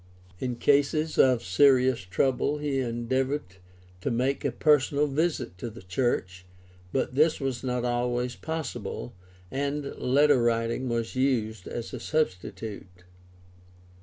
In cases of serious trouble he endeavored to make a personal visit to the church, but this was not always possible, and letter writing was used as a substitute.